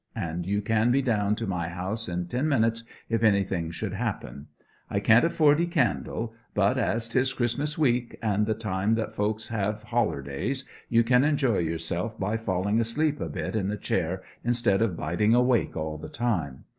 And you can be down to my house in ten minutes if anything should happen. I can't afford 'ee candle; but, as 'tis Christmas week, and the time that folks have hollerdays, you can enjoy yerself by falling asleep a bit in the chair instead of biding awake all the time.